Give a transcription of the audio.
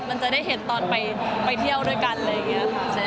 มันจะได้เห็นตอนไปเที่ยวด้วยกันอะไรอย่างนี้ค่ะ